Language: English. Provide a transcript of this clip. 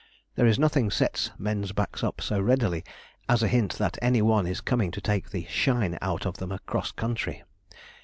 There is nothing sets men's backs up so readily, as a hint that any one is coming to take the 'shine' out of them across country.